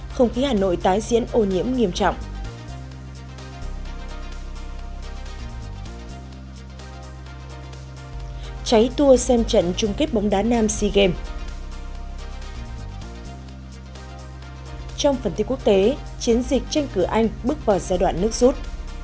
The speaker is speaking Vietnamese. trong phần tiết quốc tế chiến dịch trên cửa anh bước vào giai đoạn nước rút